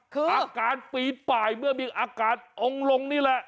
คืออาการปีนป่ายเมื่อมีอาการองค์ลงนี่แหละ